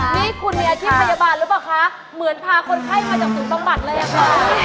มีคุณมีอาทิตย์พยาบาลหรือเปล่าคะเหมือนพาคนไข้มาจากถุงต้องบัตรเลยอ่ะ